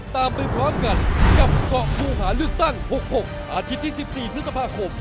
ตามไปพร้อมกันกับเกาะผู้หาเลือกตั้ง๖๖อาทิตย์ที่๑๔พฤษภาคม